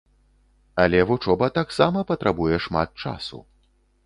Але вучоба таксама патрабуе шмат часу.